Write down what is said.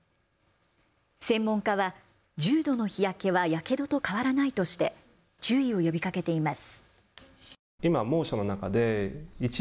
専門家は重度の日焼けはやけどと変わらないとして注意を呼びかけています。